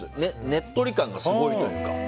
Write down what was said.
ネットリ感がすごいというか。